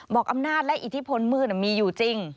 บอกอำนาจและอิทธิพลมืดมีอยู่จริง